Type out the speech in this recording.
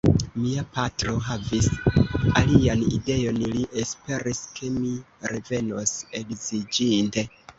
Mia patro havis alian ideon: li esperis, ke mi revenos edziĝinte.